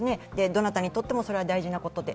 どなたにとっても、それは大事なことで。